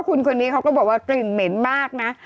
คุณคนนี้เขาก็บอกว่ากลิ่นเหม็นมากนะ